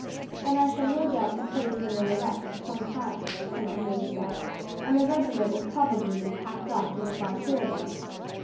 "And I shall no doubt be placed under arrest for some time," Colonel Hume said; "and the regiment will probably be packed off to the frontier again.